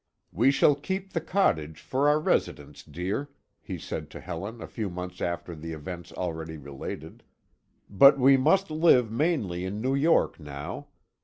"We shall keep the cottage for our residence, dear," he said to Helen a few months after the events already related, "but we must live mainly in New York now.